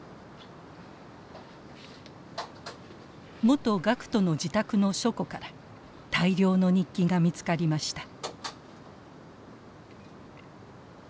元学徒の自宅の書庫から大量の日記が見つかりました。